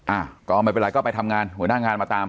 อ้าก็เอามาไปเลยก็ไปทำงานหัวหน้างานมาตาม